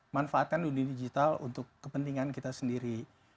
manfaatkan dunia digital untuk kepentingan kita sendiri